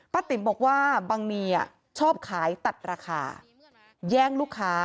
ติ๋มบอกว่าบังนีชอบขายตัดราคาแย่งลูกค้า